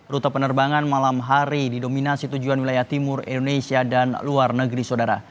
rute penerbangan malam hari didominasi tujuan wilayah timur indonesia dan luar negeri saudara